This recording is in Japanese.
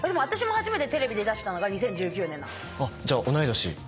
私も初めてテレビ出だしたのが２０１９年なの。じゃあ同い年？